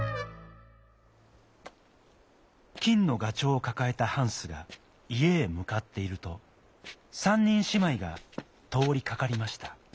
金のがちょうをかかえたハンスがいえへむかっていると３にんしまいがとおりかかりました。